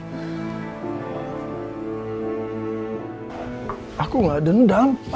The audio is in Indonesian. aku harus ngembalikan semuanya lagi